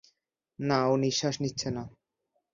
না, ও নিশ্বাস নিচ্ছে না।